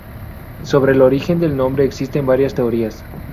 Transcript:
Sobre el origen del nombre existen varias teorías.